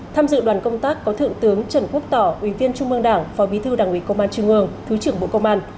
tham dự đoàn công tác có thượng tướng trần quốc tỏ ủy viên trung mương đảng phó bí thư đảng ủy công an trung ương thứ trưởng bộ công an